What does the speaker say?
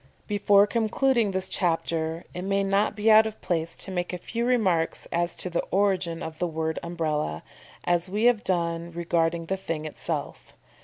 Before concluding this chapter, it may not be out of place to make a few remarks as to the origin of the word Umbrella, as we have done regarding the thing itself.